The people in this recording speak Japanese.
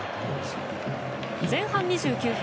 前半２９分。